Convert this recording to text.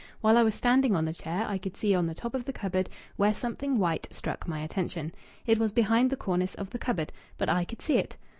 While I was standing on the chair I could see on the top of the cupboard, where something white struck my attention. It was behind the cornice of the cupboard, but I could see it.